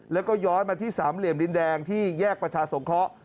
แล้วก็ย้อนมาที่สามเหลี่ยมดินแดงที่แยกประชาสงเคราะห์